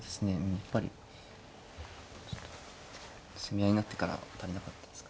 やっぱり攻め合いになってから足りなかったですか。